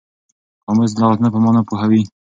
قاموس د لغتونو په مانا پوهوي.